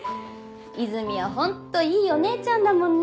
イズミはホントいいお姉ちゃんだもんね。